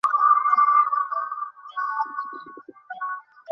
অপূর্ব, অপূর্ব।